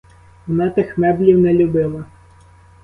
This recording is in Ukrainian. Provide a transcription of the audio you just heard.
Вона тих меблів не любила.